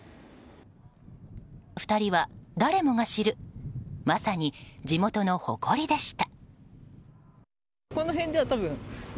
２人は誰もが知るまさに地元の誇りでした。